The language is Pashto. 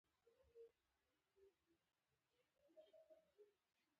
د چرګانو روغتیا د بازار لپاره مهمه ده.